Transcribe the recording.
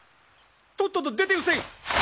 とっとと出てうせい！